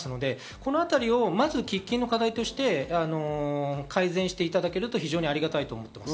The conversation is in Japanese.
このあたりをまずは喫緊の課題として、改善していただけると非常にありがたいと思います。